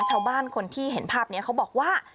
ชาวบ้านคนที่เห็นภาพนี้เขาบอกว่า